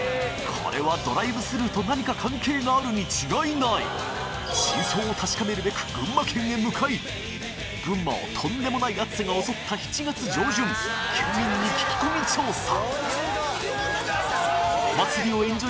これはドライブスルーと何か関係があるに違いない真相を確かめるべく群馬県へ向かい群馬をとんでもない暑さが襲った７月上旬県民に聞き込み調査！